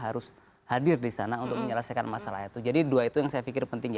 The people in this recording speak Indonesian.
harus hadir di sana untuk menyelesaikan masalah itu jadi dua itu yang saya pikir penting ya